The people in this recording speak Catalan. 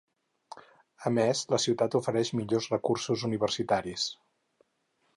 A més, la ciutat ofereix millors recursos universitaris.